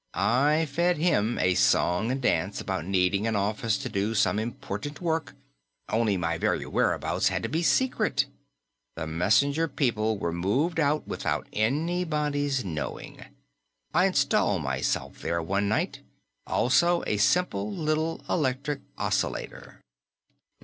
I fed him a song and dance about needing an office to do some important work, only my very whereabouts had to be secret. The Messenger people were moved out without anybody's knowing. I installed myself there one night, also a simple little electric oscillator.